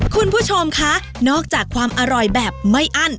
คุณผู้ชมคะนอกจากความอร่อยแบบไม่อั้น